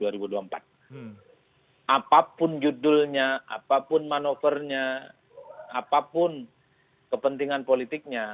apapun judulnya apapun manuvernya apapun kepentingan politiknya